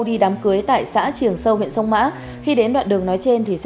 đi đám cưới tại xã trường sơn